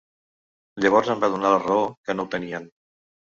Llavors em va donar la raó, que no ho tenien.